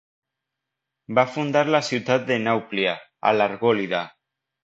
Va fundar la ciutat de Nàuplia, a l'Argòlida.